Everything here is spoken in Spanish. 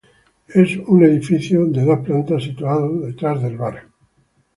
Es un edificio de dos plantas situado detrás de la iglesia.